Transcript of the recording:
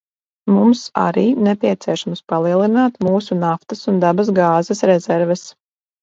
Mums arī nepieciešams palielināt mūsu naftas un dabasgāzes rezerves.